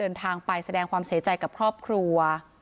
เดินทางไปแสดงความเสียใจกับครอบครัว